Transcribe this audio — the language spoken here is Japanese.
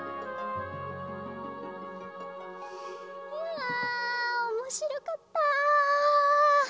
あおもしろかった。